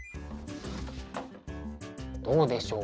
どうでしょう？